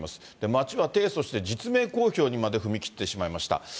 町は提訴して、実名公表にまで踏み切ってしまいました。